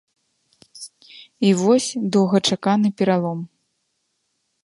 І вось доўгачаканы пералом.